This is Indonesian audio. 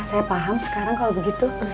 saya paham sekarang kalau begitu